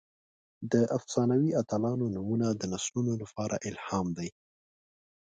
د افسانوي اتلانو نومونه د نسلونو لپاره الهام دي.